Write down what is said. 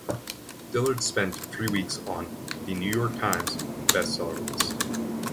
Dillard spent three weeks on "The New York Times" Best Seller list.